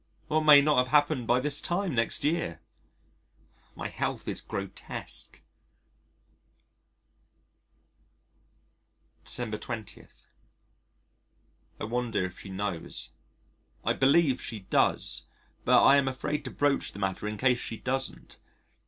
What may not have happened by this time next year? My health is grotesque. December 20. I wonder if she knows. I believe she does but I am afraid to broach the matter in case she doesn't.